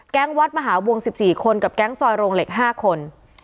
วัดมหาวง๑๔คนกับแก๊งซอยโรงเหล็ก๕คน